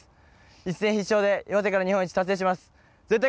一戦必勝で岩手から日本一を達成します。